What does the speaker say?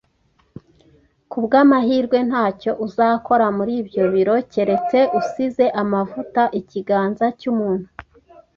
Kubwamahirwe, ntacyo uzakora muri ibyo biro keretse usize amavuta ikiganza cyumuntu